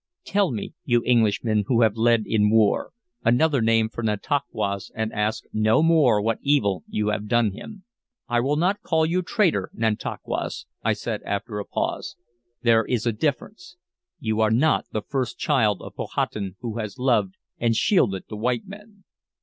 Tell me, you Englishman who have led in war, another name for Nantauquas, and ask no more what evil you have done him." "I will not call you 'traitor,' Nantauquas," I said, after a pause. "There is a difference. You are not the first child of Powhatan who has loved and shielded the white men."